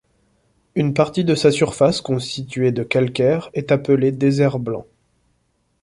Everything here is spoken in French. Une partie de sa surface constituée de calcaire est appelée désert blanc.